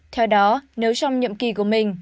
theo đó nếu trong nhậm kỳ của mình